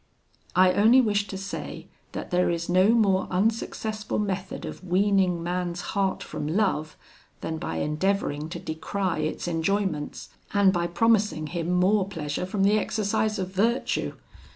'I only wish to say, that there is no more unsuccessful method of weaning man's heart from love, than by endeavouring to decry its enjoyments, and by promising him more pleasure from the exercise of virtue.